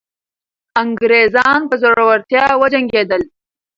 انګریزان په زړورتیا وجنګېدل.